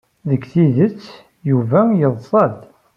Deg tidet, Yuba yeḍsa-d.